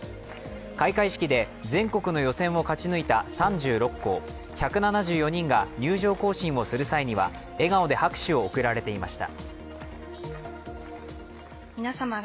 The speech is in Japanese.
開会式で全国の予選を勝ち抜いた３６校、１７４人が入場行進をする際には笑顔で拍手を送られていました。